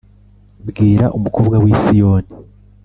bwira umukobwa w i Siyoni